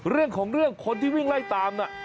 เรื่องของเรื่องคนที่วิ่งไล่ตามน่ะ